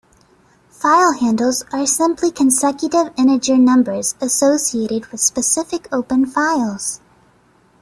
File handles are simply consecutive integer numbers associated with specific open files.